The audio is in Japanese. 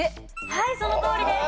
はいそのとおりです。